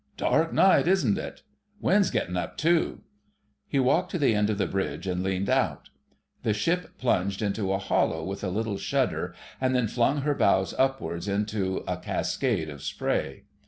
"Dark night, isn't it? Wind's getting up, too...." He walked to the end of the bridge and leaned out. The ship plunged into a hollow with a little shudder and then flung her bows upwards into, a cascade of spray.